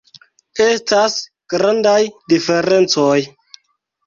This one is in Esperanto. Estas grandaj diferencoj.